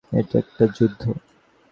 এটা একটা যুদ্ধ!